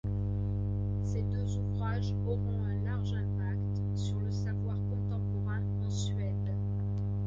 Ces deux ouvrages auront un large impact sur le savoir contemporain en Suède.